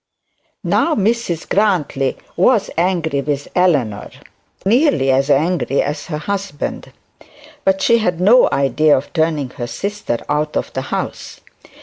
Now Mrs Grantly was angry with Eleanor, nearly as angry as her husband; but she had no idea of turning her sister out of the house.